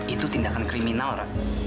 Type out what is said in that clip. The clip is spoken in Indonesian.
itu tindakan kriminal rah